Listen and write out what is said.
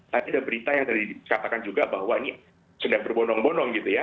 tadi ada berita yang tadi dikatakan juga bahwa ini sudah berbonong bondong gitu ya